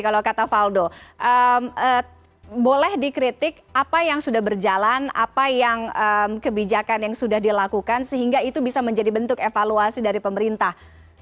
kalau kata valdo boleh dikritik apa yang sudah berjalan apa yang kebijakan yang sudah dilakukan sehingga itu bisa menjadi bentuk evaluasi dari pemerintah